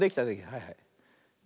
はいはい。ね。